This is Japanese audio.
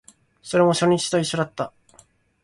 それも初日と一緒だった